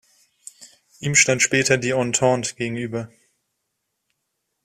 Ihm stand später die Entente gegenüber.